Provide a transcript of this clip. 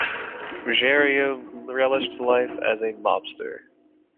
Ruggiero relished life as a mobster.